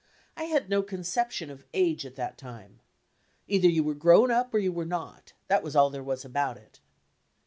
I had no conception of age at that time. Either you were grown up or you were not, that was all there was about it.